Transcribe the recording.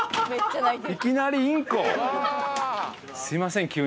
すいません